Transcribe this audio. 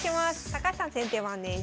高橋さん先手番です。